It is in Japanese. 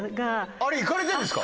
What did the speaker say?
あれ行かれてんですか？